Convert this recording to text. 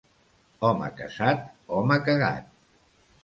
Home casat, home cagat.